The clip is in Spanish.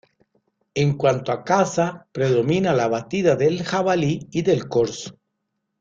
En cuanto a caza predomina la batida del jabalí y del corzo.